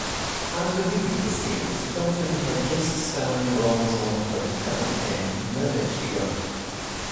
After leaving the series, Dalton had guest-starring roles on "Hotel" and "Murder, She Wrote".